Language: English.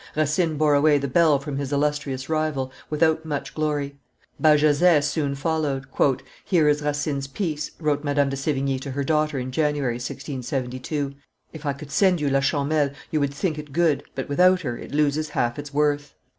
Racine bore away the bell from his illustrious rival, without much glory. Bajazet soon followed. "Here is Racine's piece," wrote Madame de Sevigne to her daughter in January, 1672; if I could send you La Champmesle, you would think it good, but without her, it loses half its worth.